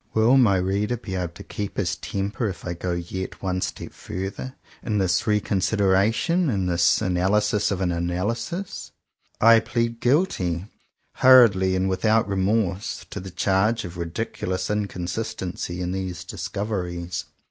Will my reader be able to keep his temper if I go yet one step farther in this re con sideration, in this analysis of an analysis .f* I plead guilty, hurriedly and without re morse, to the charge of ridiculous inconsis tency in these discoveries.